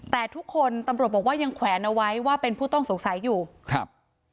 แต่ทุกคนตำรวจบอกว่ายังแขวนเอาไว้ว่าเป็นผู้ต้องสงสัยอยู่ครับ